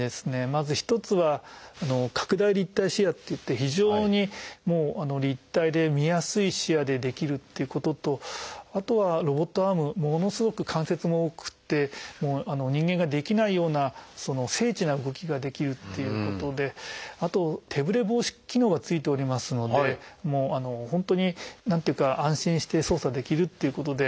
まず一つは「拡大立体視野」っていって非常に立体で見やすい視野でできるっていうこととあとはロボットアームものすごく関節も多くて人間ができないような精緻な動きができるっていうことであと手ぶれ防止機能が付いておりますのでもう本当に何ていうか安心して操作できるっていうことで。